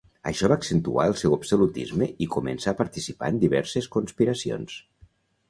Això va accentuar el seu absolutisme i començà a participar en diverses conspiracions.